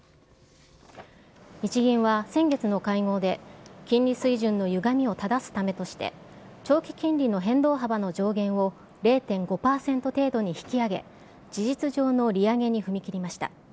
日銀は先月の会合で、金利水準のゆがみをただすためとして、長期金利の変動幅の上限を０．５％程度に引き上げ、事実上の利上げに踏み切りました。